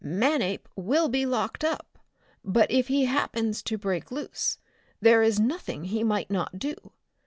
Manape will be locked up, but if he happens to break loose there is nothing he might not do.